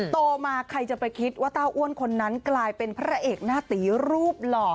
โตมาใครจะไปคิดว่าเต้าอ้วนคนนั้นกลายเป็นพระเอกหน้าตีรูปหล่อ